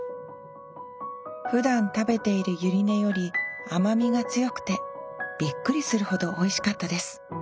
ふだん食べているユリ根より甘みが強くてびっくりするほどおいしかったです。